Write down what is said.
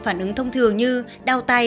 phản ứng thông thường như đau tay